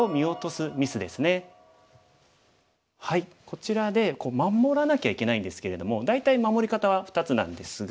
こちらで守らなきゃいけないんですけれども大体守り方は２つなんですが。